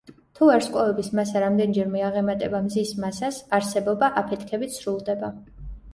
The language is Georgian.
თუ ვარსკვლავების მასა რამდენჯერმე აღემატება მზის მასას, არსებობა აფეთქებით სრულდება.